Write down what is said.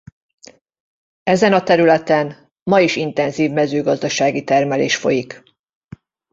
Ezen a területen ma is intenzív mezőgazdasági termelés folyik.